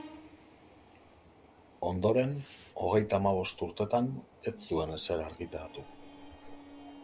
Ondoren, hogeita hamabost urtetan ez zuen ezer argitaratu.